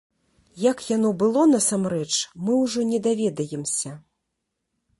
Як яно было насамрэч, мы ўжо не даведаемся.